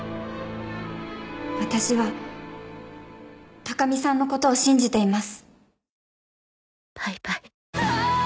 私は高見さんのことを信じています。